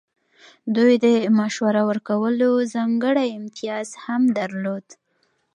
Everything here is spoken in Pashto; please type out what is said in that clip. دوی د مشوره ورکولو ځانګړی امتیاز هم درلود.